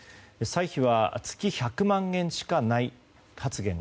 歳費は月１００万円しかない発言。